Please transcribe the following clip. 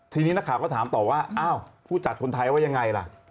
ทีนี้นักข่าวก็ถามต่อว่าอ้าวผู้จัดคนไทยว่ายังไงล่ะ